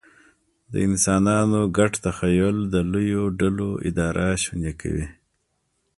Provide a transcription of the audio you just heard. د انسانانو ګډ تخیل د لویو ډلو اداره شونې کوي.